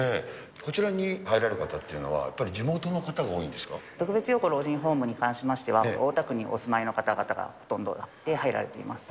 こちらに入られる方ってのは、特別養護老人ホームに関しましては、大田区にお住まいの方がほとんどの場合で入られています。